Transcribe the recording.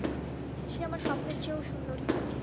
সে আমার স্বপ্নের চেয়েও সুন্দরী।